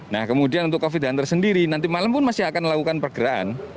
nah kemudian untuk covid hunter sendiri nanti malam pun masih akan melakukan pergeraan